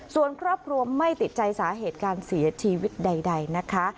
ส่วนครอบครัวไม่ติดใจสาเหตุการเสียชีวิตใดนะคะ